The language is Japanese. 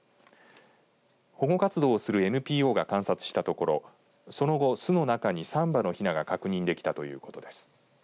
保護活動をするＮＰＯが観察したところその後、巣の中に３羽のひなが確認できたということです。